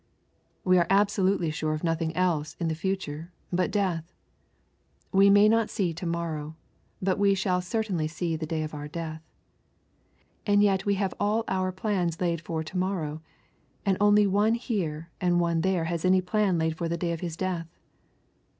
We are absolutely sure of nothing else in the future but death. We may not see to morrow, but we shall certainly see the day of our death. And yet we have all our plans laid for to morrow, and only one here and one there has any plan laid for the day of his death.